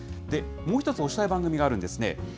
もう一つ推したい番組があるんですね。